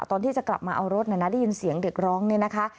ตอนที่จะกลับมาเอารถได้ยินเสียงเด็กร้องเนี่ยนะคะ